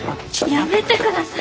やめてください。